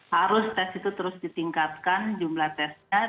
harus tes itu terus ditingkatkan jumlah tesnya